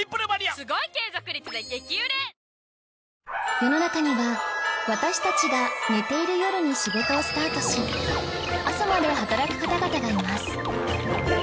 世の中には私たちが寝ている夜に仕事をスタートし朝まで働く方々がいます